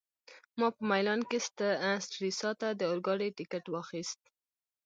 ما په میلان کي سټریسا ته د اورګاډي ټکټ واخیست.